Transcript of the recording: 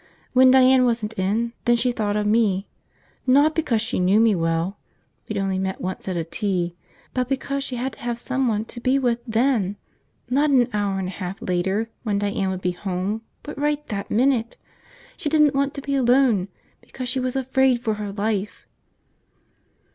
"When Diane wasn't in, then she thought of me. Not because she knew me well – we'd only met once at a tea – but because she had to have someone to be with then! Not an hour and a half later, when Diane would be home, but right that minute! She didn't want to be alone because she was afraid for her life!"